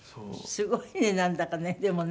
すごいねなんだかねでもね。